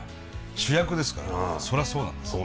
主役ですからそりゃそうなんですよ。